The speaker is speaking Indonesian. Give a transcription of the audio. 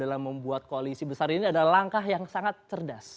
dalam membuat koalisi besar ini adalah langkah yang sangat cerdas